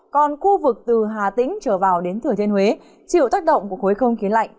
còn khu vực từ hà tĩnh trở vào đến thừa thiên huế chịu tác động của khối không khí lạnh